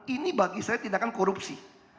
ini bagi saya tindakan korupsi